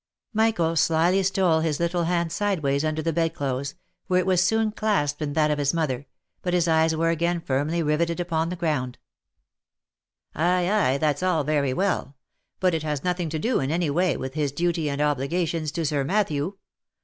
Michael slily stole his little hand sideways under the bed clothes, where it was soon clasped in that of his mother, but his eyes were again firmly rivetted upon the ground. " Ay, ay, that's all very well ; but it has nothing to do in any way with his duty and obligations to Sir Matthew.